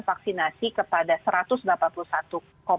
jadi ini yang menjadi penting bahwa kita harus segera mencari penyelenggaraan